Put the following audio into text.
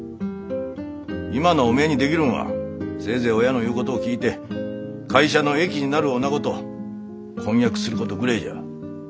今のおめえにできるんはせいぜい親の言うことを聞いて会社の益になるおなごと婚約することぐれえじゃ。